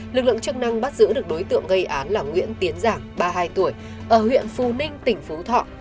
lực lượng chức năng bắt giữ được đối tượng gây án là nguyễn tiến giảng ba mươi hai tuổi ở huyện phu ninh tỉnh phú thọ